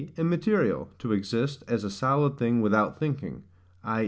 immaterial, to exist, as a solid thing without thinking, i.